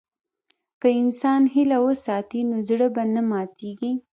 که انسان هیله وساتي، نو زړه به نه ماتيږي.